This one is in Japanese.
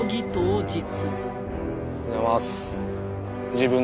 おはようございます。